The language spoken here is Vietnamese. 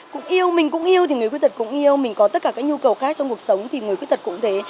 cũng yêu mình cũng yêu thì người khuyết tật cũng yêu mình có tất cả các nhu cầu khác trong cuộc sống thì người khuyết tật cũng thế